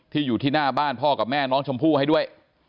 อยู่ที่หน้าบ้านพ่อกับแม่น้องชมพู่ให้ด้วย